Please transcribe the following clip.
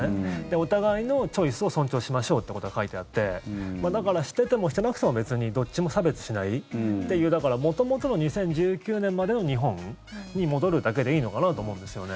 お互いのチョイスを尊重しましょうってことが書いてあってだから、しててもしてなくても別にどっちも差別しないっていうだから、元々の２０１９年までの日本に戻るだけでいいのかなと思うんですよね。